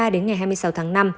đến ngày hai mươi sáu tháng năm